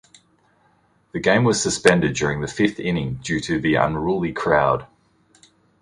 The game was suspended during the fifth inning due to the unruly crowd.